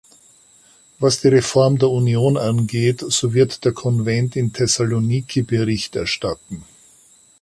Was die Reform der Union angeht, so wird der Konvent in Thessaloniki Bericht erstatten.